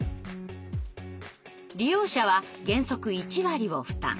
利用者は原則１割を負担。